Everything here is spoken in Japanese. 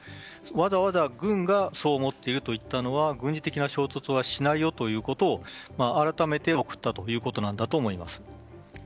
わざわざ軍がそう思っているといったのは軍事的衝突はしないよということを改めて送ったということだと思います。